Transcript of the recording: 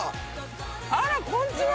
あらこんにちは。